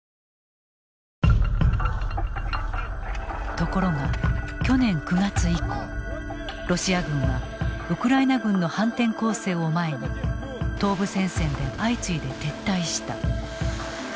ところが去年９月以降ロシア軍はウクライナ軍の反転攻勢を前に東部戦線で相次いで撤退した。